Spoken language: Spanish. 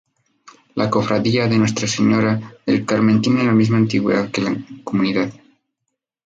La Cofradía de Nuestra Señora del Carmen tiene la misma antigüedad que la comunidad.